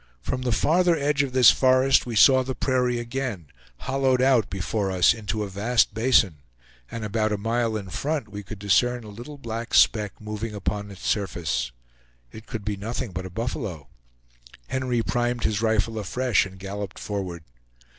From the farther edge of this forest we saw the prairie again, hollowed out before us into a vast basin, and about a mile in front we could discern a little black speck moving upon its surface. It could be nothing but a buffalo. Henry primed his rifle afresh and galloped forward.